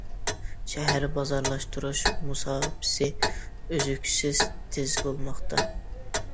شەھەر بازارلاشتۇرۇش مۇساپىسى ئۈزۈكسىز تىز بولماقتا.